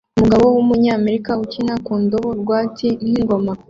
Umugabo wumunyamerika ukina ku ndobo rwatsi nkingoma